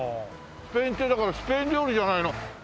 すぺいん亭だからスペイン料理じゃないの？